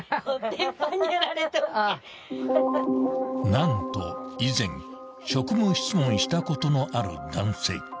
［何と以前職務質問したことのある男性］